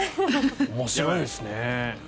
面白いですね。